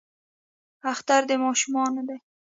اختر د ماشومانو دی